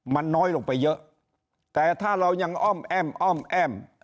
มันน้อยลงไปเยอะแต่ถ้าเรายังอ้อมแอ้มอ้อมแอ้ม